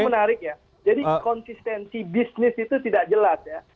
ini menarik ya jadi konsistensi bisnis itu tidak jelas ya